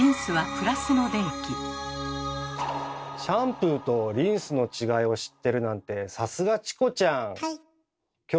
シャンプーとリンスの違いを知ってるなんてさすがチコちゃん！